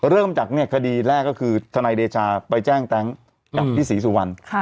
เริ่มจากคดีแรกก็คือทนายเดชาไปแจ้งแต๊งกับพี่ศรีสุวรรณ